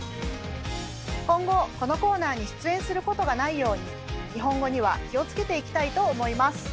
今後このコーナーに出演することがないように日本語には気をつけていきたいと思います。